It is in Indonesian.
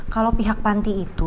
kalau pihak panti itu